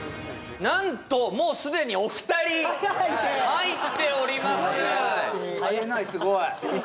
なんともうすでにお二人入っております